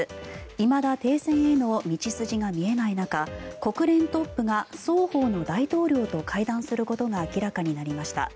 いまだ停戦への道筋が見えない中国連トップが双方の大統領と会談することが明らかになりました。